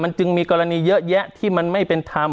จึงมีกรณีเยอะแยะที่มันไม่เป็นธรรม